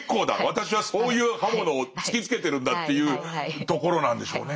私はそういう刃物を突きつけてるんだっていうところなんでしょうね。